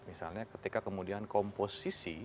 misalnya ketika kemudian komposisi